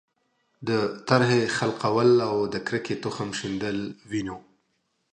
د ترهې خلقول او د کرکې تخم شیندل وینو.